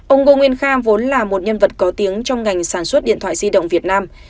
ông ngô nguyên kha vốn là một nhân vật có tiếng trong ngành sản xuất điện thoại di động việt nam